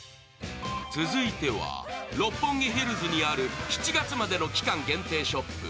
続いては六本木ヒルズにある７月までの期間限定ショップ